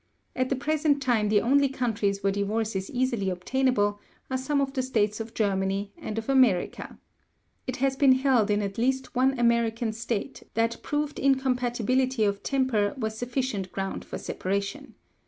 At the present time the only countries where divorce is easily obtainable are some of the states of Germany and of America. It has been held in at least one American state that proved incompatibility of temper was sufficient ground for separation.